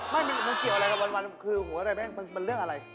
ไม่มันเกี่ยวอะไรกับวันคือหัวอะไรแม่งมันเรื่องอะไร